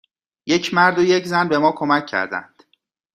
یک مرد و یک زن به ما کمک کردند.